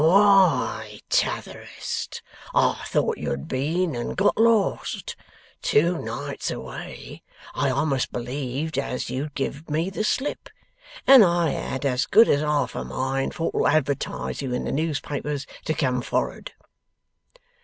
'Why, T'otherest, I thought you had been and got lost! Two nights away! I a'most believed as you'd giv' me the slip, and I had as good as half a mind for to advertise you in the newspapers to come for'ard.